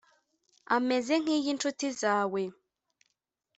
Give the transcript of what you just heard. Imeze nk iy incuti zawe